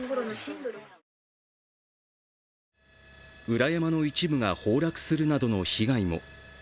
裏山の一部が崩落するなどの被害も。